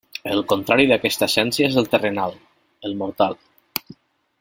El contrari d'aquesta essència és el terrenal, el mortal.